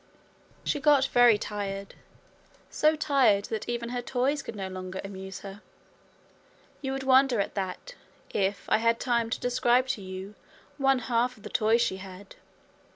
She got very tired, so tired that even her toys could no longer amuse her. You would wonder at that if I had time to describe to you one half of the toys she had.